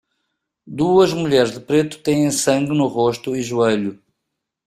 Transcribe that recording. Duas mulheres de preto têm sangue no rosto e joelho